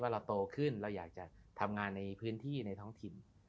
เราโตขึ้นเราอยากจะทำงานในพื้นที่ในท้องถิ่น